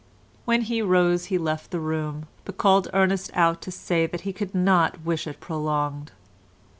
When he rose he left the room, but called Ernest out to say that he could not wish it prolonged.